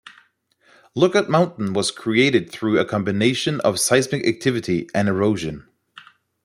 Lookout Mountain was created through a combination of seismic activity and erosion.